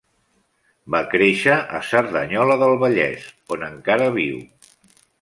Va créixer a Cerdanyola del Vallès, on encara viu.